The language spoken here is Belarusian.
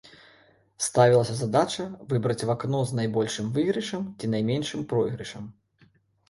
Ставілася задача выбраць вакно з найбольшым выйгрышам ці найменшым пройгрышам.